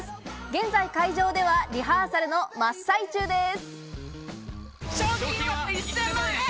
現在、会場ではリハーサルの真っ最中です。